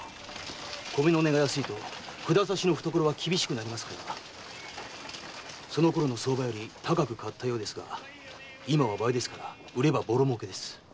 米の値が安いと札差の懐は厳しくなりますからそのころの相場より高く買ったようですが今は倍ですから売ればぼろ儲けです。